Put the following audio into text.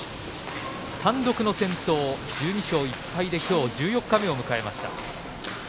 単独の先頭、１２勝１敗できょう十四日目を迎えました。